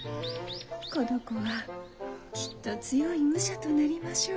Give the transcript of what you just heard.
この子はきっと強い武者となりましょう。